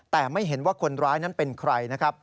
แต่ไม่เห็นว่าคนร้ายนั้นเป็นใครนะครับ